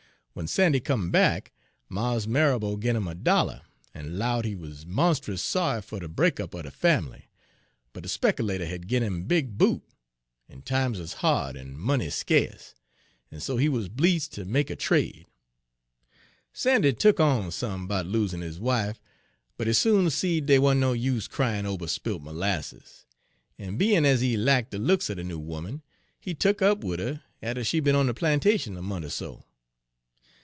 W'en Sandy come back, Mars Marrabo gin 'im a dollar, en 'lowed he wuz monst'us sorry fer ter break up de fambly, but de spekilater had gin 'im big boot, en times wuz hard en money skase, en so he wuz bleedst ter make de trade. Sandy tuk on some 'bout losin' his wife, but he soon seed dey want no use cryin' ober Page 43 spilt merlasses; en bein' ez he lacked de looks er de noo 'oman, he tuk up wid her atter she'd be'n on de plantation a mont' er so.